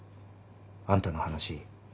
あんたの話。